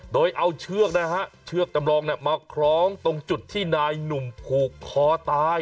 โดยเอาเชือกนะฮะเชือกจำลองมาคล้องตรงจุดที่นายหนุ่มผูกคอตาย